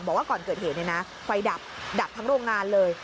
บอกว่าก่อนเกิดเหตุเนี่ยนะไฟดับดับทั้งโรงงานเลย